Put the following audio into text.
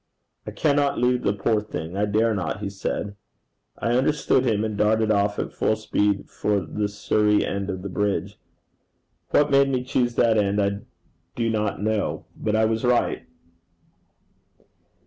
'I cannot leave the poor thing I dare not,' he said. I understood him, and darted off at full speed for the Surrey end of the bridge. What made me choose that end, I do not know; but I was right.